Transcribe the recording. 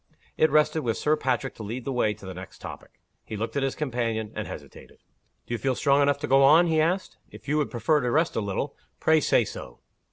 It rested with Sir Patrick to lead the way to the next topic. He looked at his companion, and hesitated. "Do you feel strong enough to go on?" he asked. "If you would prefer to rest a little, pray say so."